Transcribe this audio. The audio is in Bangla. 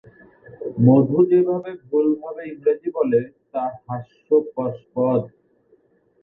মধু যেভাবে ভুলভাবে ইংরেজি বলে তা হাস্যোপস্পদ।